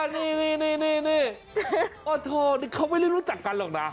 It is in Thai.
นี่โอ้โหนี่เขาไม่ได้รู้จักกันหรอกนะ